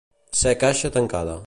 Ser caixa tancada.